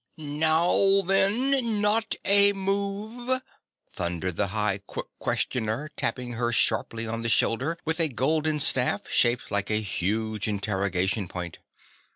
"Now then not a move!" thundered the High Qui questioner, tapping her sharply on the shoulder with a golden staff shaped like a huge interrogation point.